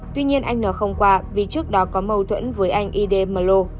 tuy nhiên anh n không qua vì trước đó có mâu thuẫn với anh idemlo